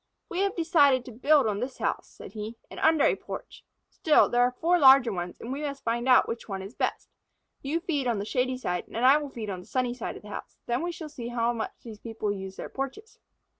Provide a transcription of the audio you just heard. "We have decided to build on this house," said he, "and under a porch. Still, there are four large ones and we must find out which is the best. You feed on the shady side and I will feed on the sunny side of the house. Then we shall see how much these people use their porches."